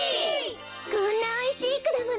こんなおいしいくだもの